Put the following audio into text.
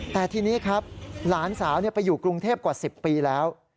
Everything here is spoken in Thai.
แต่ทีนี้ครับหลานสาวไปอยู่กรุงเทพกว่า๑๐ปีแล้ว